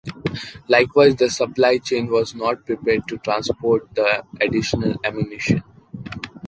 Likewise, the supply chain was not prepared to transport the additional ammunition.